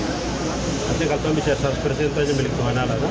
tapi kalau bisa seratus persen kita hanya memiliki tuan alat